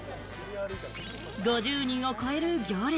５０人を超える行列。